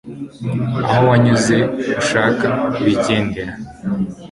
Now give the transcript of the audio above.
aho wanyuze ushaka kwigendara